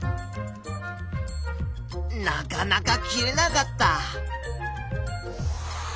なかなか切れなかった。